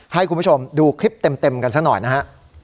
ให้คุณผู้ชมดูคลิปเต็มกันซะหน่อยนะฮะ